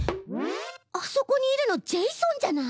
あそこにいるのジェイソンじゃない！？